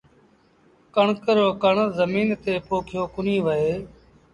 ڪڻڪ رو ڪڻ زميݩ تي پوکيو ڪونهي وهي